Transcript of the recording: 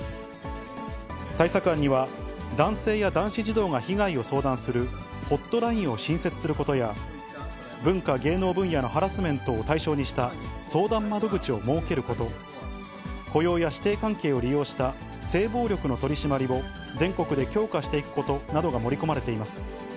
対策案には、男性や男子児童が被害を相談するホットラインを新設することや、文化芸能分野のハラスメントを対象にした相談窓口を設けること、雇用や師弟関係を利用した性暴力の取締りを全国で強化していくことなどが盛り込まれています。